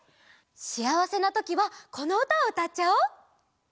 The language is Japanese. しあわせなときはこのうたをうたっちゃおう。